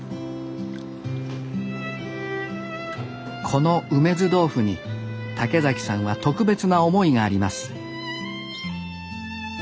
この梅酢豆腐に竹さんは特別な思いがあります